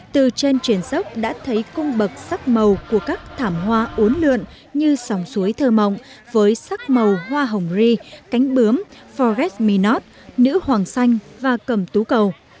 từ trên truyền dốc đã thấy cung bậc sắc màu của các thảm hoa ốn lượn như sòng suối thơ mộng với sắc màu hoa hồng ri cánh bướm forest minot nữ hoàng xanh và cầm tú cầu